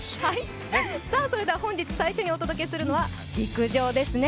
それでは本日最初にお届けするのは陸上ですね。